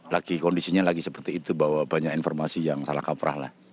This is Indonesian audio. lagi kondisinya lagi seperti itu bahwa banyak informasi yang salah kaprah lah